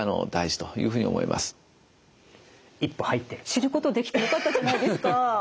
知ることできてよかったじゃないですか。